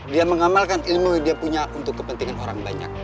dia mengamalkan ilmu yang dia punya untuk kepentingan orang banyak